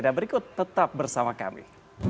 dan berikut tetap bersama kami